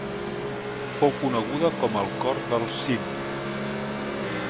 Fou coneguda com el Cor del Sind.